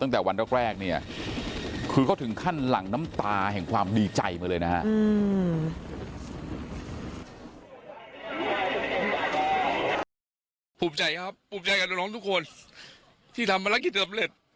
แต่วันกล้างแรกเนี่ยคือก็ถึงขั้นหลังน้ำตาของความดีใจมาเลยนะครับ